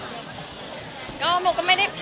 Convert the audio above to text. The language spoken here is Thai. ก็เลยเอาข้าวเหนียวมะม่วงมาปากเทียน